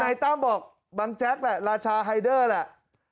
นายตั้มบอกบังแจ๊กแหละราชาไฮเดอร์แหละ